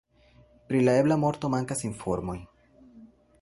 Pri la ebla morto mankas informoj.